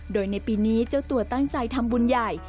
โดยในปีนี้เจ้าตัวตั้งใจทำบุญใหญ่